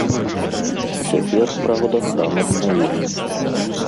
Цяпер, праўда, храм аднавілі.